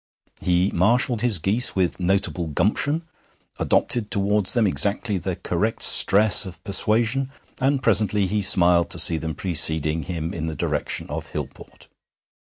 He marshalled his geese with notable gumption, adopted towards them exactly the correct stress of persuasion, and presently he smiled to see them preceding him in the direction of Hillport.